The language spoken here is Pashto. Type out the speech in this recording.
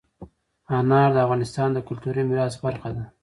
انار د افغانستان د کلتوري میراث برخه ده.